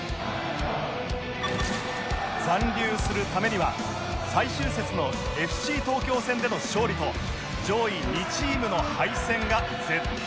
残留するためには最終節の ＦＣ 東京戦での勝利と上位２チームの敗戦が絶対条件